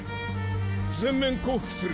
全面降伏する。